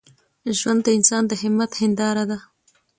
ژوند د انسان د همت هنداره ده.